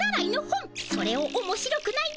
それをおもしろくないなどとは。